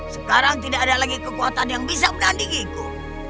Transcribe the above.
sekarang tidak ada lagi kekuatan yang bisa menggantiku